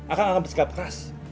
akang akan bersikap keras